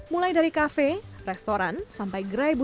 mulai dari kafe restoran sampai gerai budaya